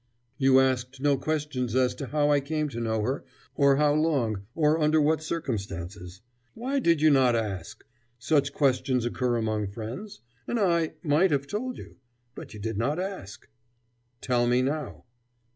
"You asked no questions as to how I came to know her, or how long, or under what circumstances. Why did you not ask? Such questions occur among friends: and I might have told you. But you did not ask." "Tell me now."